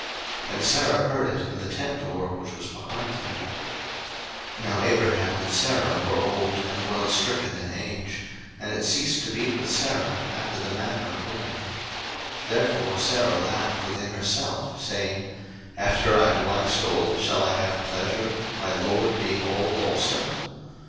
And Sarah heard it in the tent door, which was behind him. 01:018:011 Now Abraham and Sarah were old and well stricken in age; and it ceased to be with Sarah after the manner of women. 01:018:012 Therefore Sarah laughed within herself, saying, After I am waxed old shall I have pleasure, my lord being old also?